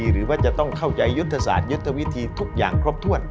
หรือว่าจะต้องเข้าใจยุทธศาสตร์ยุทธวิธีทุกอย่างครบถ้วน